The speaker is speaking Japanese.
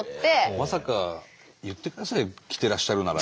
まさか言ってくださいよ来ていらっしゃるなら。